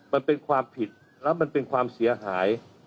มันเป็นความผิดแล้วมันเป็นความเสียหาย